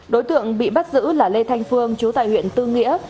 đối tượng bị bắt giữ là lê thanh phương chú tại huyện tư nghĩa